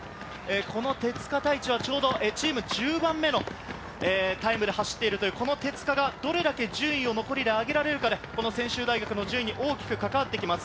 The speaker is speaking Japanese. この手塚太一はちょうど、チーム１０番目のタイムで走っているという、この手塚がどれだけ順位を上げられるかで専修大学の順位に大きく関わってきます。